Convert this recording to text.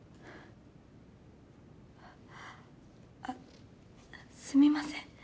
あっすみません。